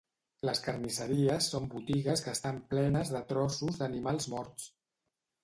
Les carnisseries són botigues que estan plenes de trossos d'animals morts